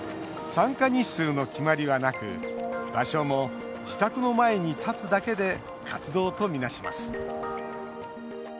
参加日数の決まりはなく場所も自宅の前に立つだけで活動と見なします。